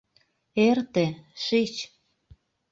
Эрте, шич.